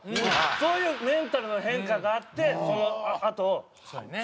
そういうメンタルの変化があってそのあと調子を取り戻した。